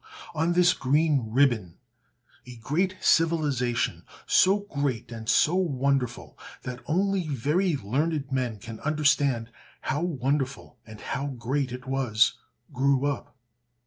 On this green ribbon a great civilization, so great and so wonderful that only very learned men can understand how wonderful and how great it was, grew up.